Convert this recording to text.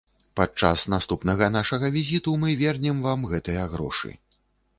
Падчас наступнага нашага візіту мы вернем вам гэтыя грошы.